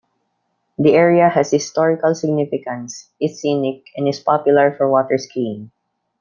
The area has historical significance, is scenic and is popular for water skiing.